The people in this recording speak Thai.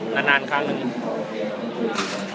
นาดครั้งหรืองี้